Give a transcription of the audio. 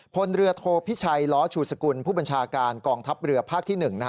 พลเรือโทพิชัยล้อชูสกุลผู้บัญชาการกองทัพเรือภาคที่๑